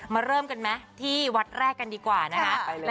เริ่มกันไหมที่วัดแรกกันดีกว่านะคะ